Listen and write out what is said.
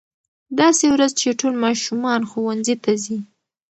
داسې ورځ چې ټول ماشومان ښوونځي ته ځي.